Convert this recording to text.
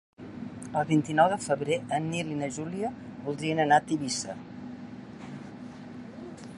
El vint-i-nou de febrer en Nil i na Júlia voldrien anar a Tivissa.